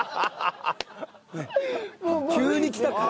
急にきたから。